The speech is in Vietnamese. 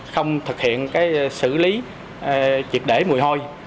không thực hiện xử lý triệt để mùi hôi